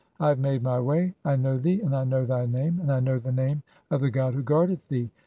I have made [my] way. I know thee, and I know "thy name, (72) and I know the name of the god who guardeth "thee.